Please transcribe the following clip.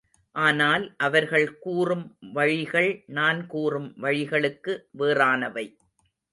ஆனால் அவர்கள் கூறும் வழிகள் நான் கூறும் வழிகளுக்கு வேறானவை.